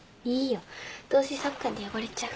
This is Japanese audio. どうせサッカーで汚れちゃうから。